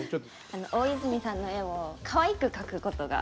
あの大泉さんの絵をかわいく描くことが特技です。